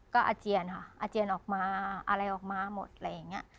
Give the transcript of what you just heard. ก็อาเจียนค่ะอาเจียนออกมาอะไรออกมาหมดอะไรอย่างนี้